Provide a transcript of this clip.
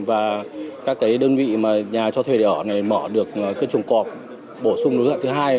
và các cái đơn vị mà nhà cho thuê để ở này mở được cái chuồng cọp bổ sung đối tượng thứ hai